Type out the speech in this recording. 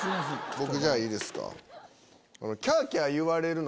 僕じゃあいいですか。